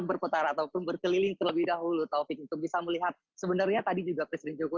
berputar ataupun berkeliling terlebih dahulu bisa melihat sebenarnya tadi juga presiden joko